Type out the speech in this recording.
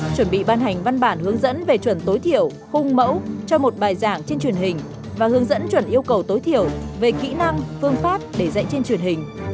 chuẩn bị ban hành văn bản hướng dẫn về chuẩn tối thiểu khung mẫu cho một bài giảng trên truyền hình và hướng dẫn chuẩn yêu cầu tối thiểu về kỹ năng phương pháp để dạy trên truyền hình